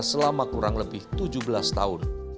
selama kurang lebih tujuh belas tahun